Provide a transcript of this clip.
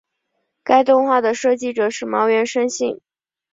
该动画的设计者是茅原伸幸。